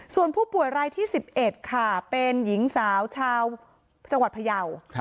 ส่วนผู้ป่วยรายที่๑๑ค่ะเป็นหญิงสาวชาวจังหวัดพยาว